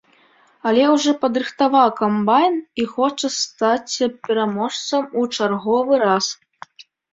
Але ўжо падрыхтаваў камбайн і хоча стаць пераможцам у чарговы раз.